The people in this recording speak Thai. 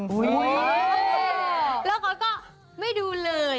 แล้วก็ไม่ดูเลย